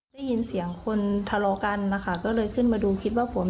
ได้ยินเสียงคนทะเลาะกันนะคะก็เลยขึ้นมาดูคิดว่าผม